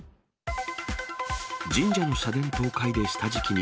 神社の社殿倒壊で下敷きに。